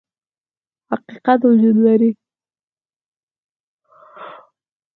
حقیقت وجود لري، خو درواغ بیا کشف او جوړیږي.